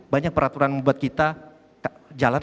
banyak peraturan membuat kita jalan